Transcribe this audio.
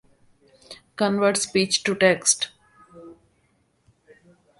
Under no circumstances may a cybrid be implanted into a human uterus.